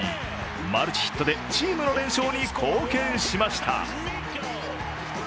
マルチヒットでチームの連勝に貢献しました。